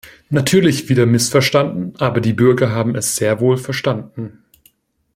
Natürlich wieder missverstanden, aber die Bürger haben es sehr wohl verstanden.